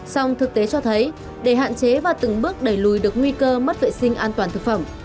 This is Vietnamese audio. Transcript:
song thực tế cho thấy để hạn chế và từng bước đẩy lùi được nguy cơ mất vệ sinh an toàn thực phẩm